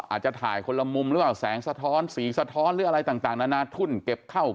อาจจะถ่ายคนละมุมหรือเปล่าแสงสะท้อนสีสะท้อนหรืออะไรต่างนานาทุ่นเก็บเข้า